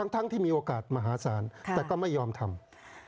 ทั้งที่มีโอกาสมหาศาลแต่ก็ไม่ยอมทำ